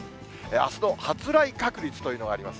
あすの発雷確率というのがあります。